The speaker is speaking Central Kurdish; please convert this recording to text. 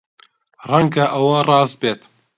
ڕەنگە ئەوە ڕاست بێت.